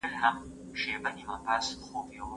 غزل لنډ نه وي.